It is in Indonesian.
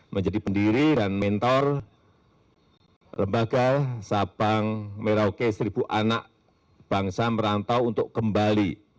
menjadi pendiri dan mentor lembaga sabang merauke seribu anak bangsa merantau untuk kembali